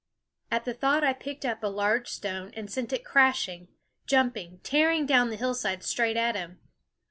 At the thought I picked up a large stone and sent it crashing, jumping, tearing down the hillside straight at him.